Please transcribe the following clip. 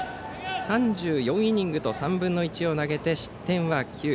３４イニングと３分の１を投げて失点は９。